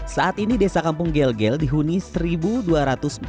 saat ini desa kampung gel gel dihuni seribu orang